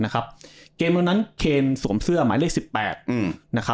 เกมวันนั้นเคนสวมเสื้อหมายเลข๑๘